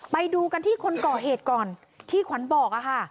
ไปดูกันที่คนก่อเหตุก่อนที่ขวัญบอกค่ะ